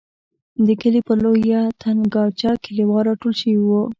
د کلي پر لویه تنګاچه کلیوال را ټول شوي وو.